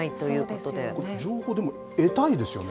情報を得たいですよね。